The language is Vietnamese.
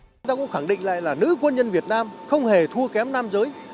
chúng ta cũng khẳng định lại là nữ quân nhân việt nam không hề thua kém nam giới